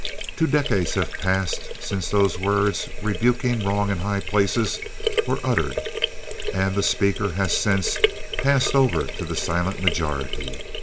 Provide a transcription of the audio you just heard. Two decades have passed since those words, rebuking wrong in high places, were uttered, and the speaker has since passed over to the silent majority.